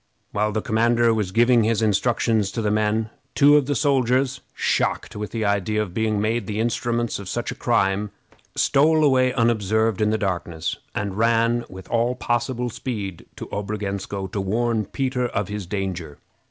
While the commander was giving his instructions to the men, two of the soldiers, shocked with the idea of being made the instruments of such a crime, stole away unobserved in the darkness, and ran with all possible speed to Obrogensko to warn Peter of his danger.